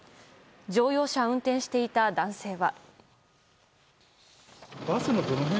乗用車を運転していた男性は。